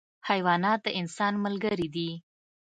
حیوانات د انسان ملګري دي.